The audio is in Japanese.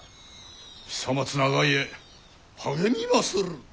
久松長家励みまする！